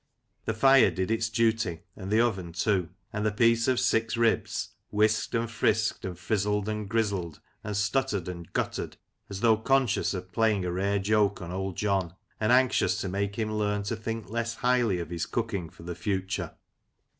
The fire did its duty, and the oven too ; and the piece of " sue ribs " whisked and frisked, and frizzled and grizzled, and stuttered and guttered, as though conscious of playing a rare joke on Old John, and anxious to make him learn to think less highly of his cooking for the future.